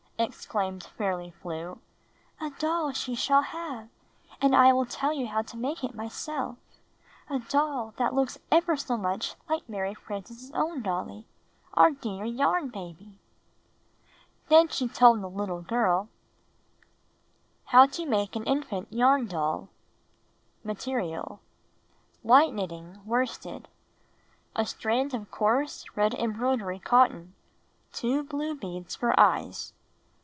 exclaimed Fairly Flew, ''a doll she shall have, and I will tell you how to make it myself — a doll that looks ever so much like Mary Frances' own dolly, our dear Yarn Baby!" Then she told the little girl — How TO Make an Infant Yarn Doll Material : White knitting worsted. * A strand of coarse red em broidery cotton. Two blue beads for eyes.